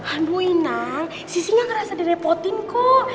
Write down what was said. amu inang sisi gak ngerasa direpotin kok